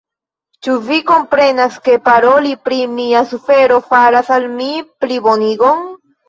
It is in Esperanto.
Ĉu vi komprenas, ke paroli pri mia sufero faras al mi plibonigon?